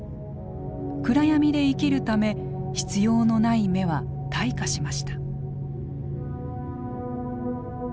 暗闇で生きるため必要のない目は退化しました。